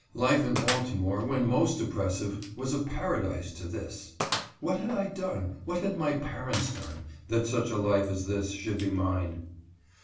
Life in Baltimore, when most oppressive, was a paradise to this. What had I done, what had my parents done, that such a life as this should be mine?